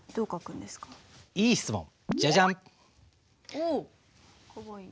おおかわいい。